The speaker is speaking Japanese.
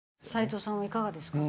齋藤さんはいかがですか？